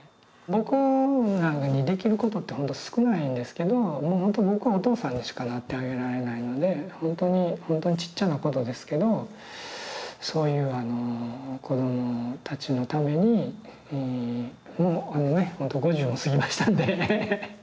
僕なんかにできることってほんと少ないんですけどほんと僕お父さんにしかなってあげられないのでほんとにほんとにちっちゃなことですけどそういうあの子どもたちのためにもうあのねほんと５０を過ぎましたんでね